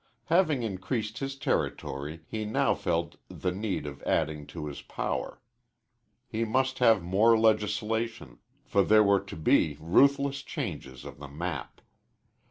Having increased his territory, he now felt the need of adding to his power. He must have more legislation, for there were to be ruthless changes of the map.